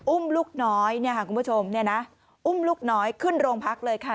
อุ้มลูกน้อยเนี่ยค่ะคุณผู้ชมอุ้มลูกน้อยขึ้นโรงพักเลยค่ะ